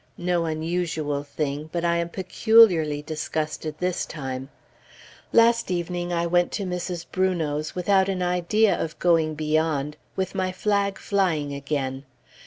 No unusual thing, but I am peculiarly disgusted this time. Last evening, I went to Mrs. Brunot's, without an idea of going beyond, with my flag flying again.